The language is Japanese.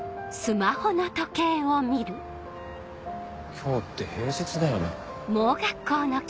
今日って平日だよな？